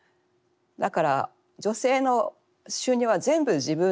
だから女性の収入は全部自分の小遣い。